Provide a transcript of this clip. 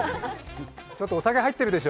ちょっとお酒、入ってるでしょ。